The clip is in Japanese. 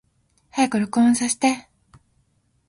早く録音させて